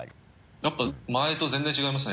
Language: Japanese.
やっぱ前と全然違いますね。